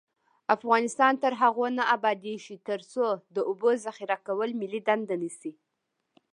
افغانستان تر هغو نه ابادیږي، ترڅو د اوبو ذخیره کول ملي دنده نشي.